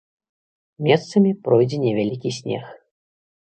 Месцамі пройдзе невялікі снег.